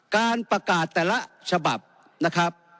การประกาศแต่ละฉบับนะครับ